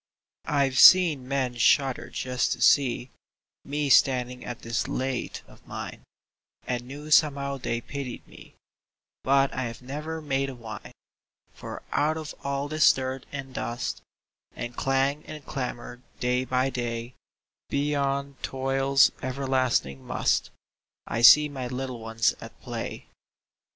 I've seen men shudder just to see Me standing at this lathe of mine, And knew somehow they pitied me, But I have never made a whine; For out of all this dirt and dust And clang and clamor day by day, Beyond toil's everlasting "must," I see my little ones at play.